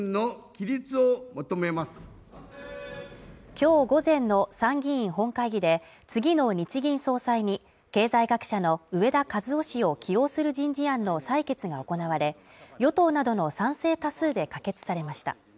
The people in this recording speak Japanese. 今日午前の参議院本会議で、次の日銀総裁に経済学者の植田和男氏を起用する人事案の採決が行われ、与党などの賛成多数で可決されました。